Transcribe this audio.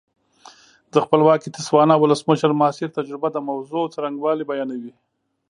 د خپلواکې تسوانا ولسمشر ماسیر تجربه د موضوع څرنګوالی بیانوي.